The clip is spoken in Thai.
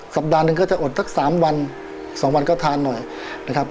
สัปดาห์หนึ่งก็จะอดสัก๓วัน๒วันก็ทานหน่อยนะครับ